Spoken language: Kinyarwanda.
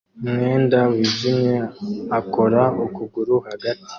Umwenda wijimye akora ukuguru hagati